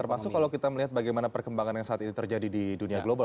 termasuk kalau kita melihat bagaimana perkembangan yang saat ini terjadi di dunia global